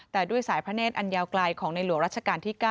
แต่ด้วยสายพระเนธอันยาวไกลของในหลวงรัชกาลที่๙